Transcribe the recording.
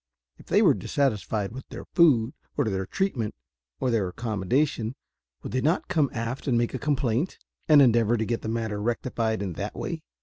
If they were dissatisfied with their food, or their treatment, or their accommodation, would they not come aft and make a complaint, and endeavour to get the matter rectified in that way?